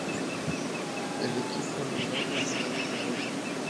El equipo logró la medalla de oro.